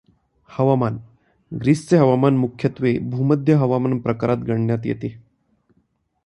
हवामान ग्रीसचे हवामान मुख्यत्वे भूमध्य हवामान प्रकारात गणण्यात येते.